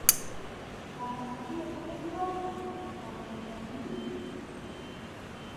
بەڕاستی دەتەوێت واز لە قوتابخانە بهێنیت؟